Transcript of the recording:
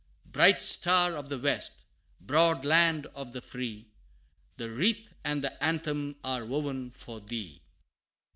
Bright Star of the West broad Land of the Free, The wreath and the anthem are woven for thee!